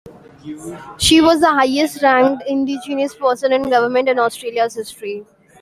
She was the highest-ranked indigenous person in government in Australia's history.